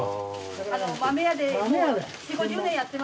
豆屋で４０５０年やってます。